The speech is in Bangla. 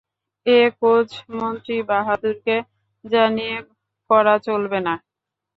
এ কােজ মন্ত্রী বাহাদুরকে জানিয়ে করা চলবে না।